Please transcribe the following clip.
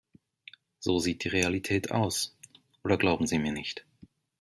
So sieht die Realität aus, oder glauben Sie mir nicht?